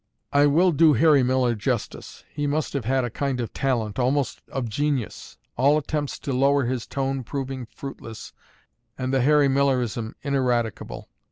I will do Harry Miller justice: he must have had a kind of talent, almost of genius; all attempts to lower his tone proving fruitless, and the Harry Millerism ineradicable.